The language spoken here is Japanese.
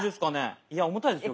いや重たいですよ